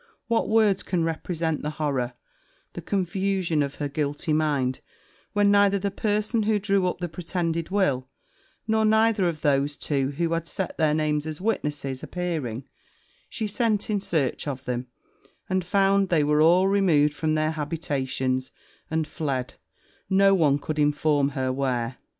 What words can represent the horror, the confusion, of her guilty mind, when neither the person who drew up the pretended will, nor neither of those two who had set their names as witnesses, appearing, she sent in search of them, and found they were all removed from their habitations, and fled no one could inform her where.